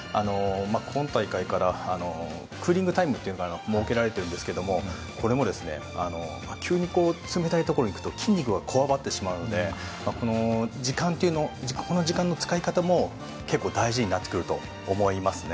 今大会からクーリングタイムというものが設けられているんですがこれも急に冷たいところに行くと筋肉がこわばってしまうのでこの時間の使い方も結構大事になってくると思います。